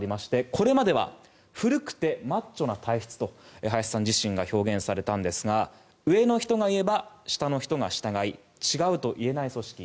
これまでは古くてマッチョな体質と林さん自身が表現されたんですが上の人が言えば下の人が従い違うと言えない組織。